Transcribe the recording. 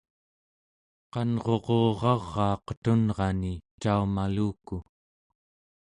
qanruquraraa qetunrani caumaluku